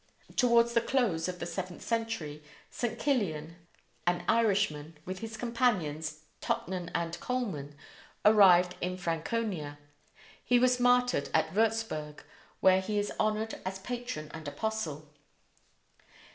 Towards the close of the seventh century St. Kilian, an Irishman, with his companions, Totnan and Colman, arrived in Franconia. He was martyred in Würtzburg, where he is honored as patron and apostle.